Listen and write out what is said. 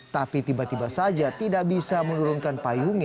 tapi tiba tiba saja tidak bisa menurunkan payungnya